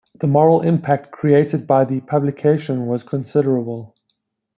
The moral impact created by the publication was considerable.